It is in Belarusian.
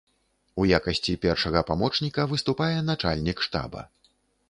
У якасці першага памочніка выступае начальнік штаба.